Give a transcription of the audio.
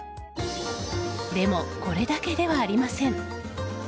でも、これだけではありません。